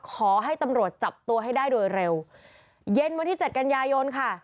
ขอให้ตำรวจจับตัวให้ได้โดยเร็วเย็นวันที่เจ็ดกันยายนค่ะ